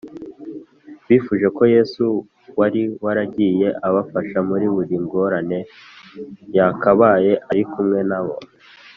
bifuje ko yesu wari waragiye abafasha muri buri ngorane yakabaye ari kumwe na bo